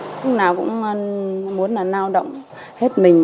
lúc nào cũng muốn là lao động hết mình